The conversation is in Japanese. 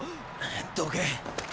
どけ。